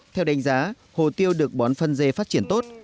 theo đánh giá hồ tiêu được bón phân dê phát triển tốt